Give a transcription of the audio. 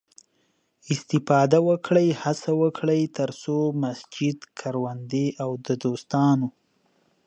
استفاده وکړئ، هڅه وکړئ، تر څو مسجد، کروندې او د دوستانو